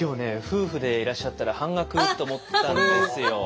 夫婦でいらっしゃったら半額と思ったんですよ。